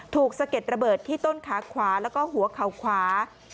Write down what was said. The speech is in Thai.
สะเก็ดระเบิดที่ต้นขาขวาแล้วก็หัวเข่าขวา